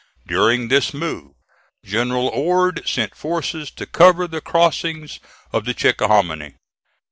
During this move, General Ord sent forces to cover the crossings of the Chickahominy.